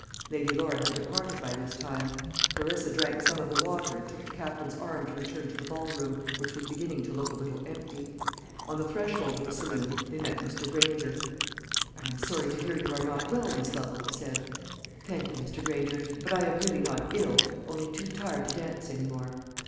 Lady Laura had departed by this time. Clarissa drank some of the water and took the Captain's arm to return to the ball room, which was beginning to look a little empty. On the threshold of the saloon they met Mr. Granger. "I am so sorry to hear you are not well, Miss Lovel," he said. "Thank you, Mr. Granger, but I am really not ill only too tired to dance any more."